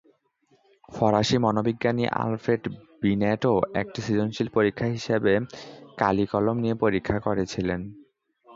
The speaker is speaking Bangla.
ফরাসি মনোবিজ্ঞানী আলফ্রেড বিনেটও একটি সৃজনশীল পরীক্ষা হিসাবে কালিকলম নিয়ে পরীক্ষা করেছিলেন।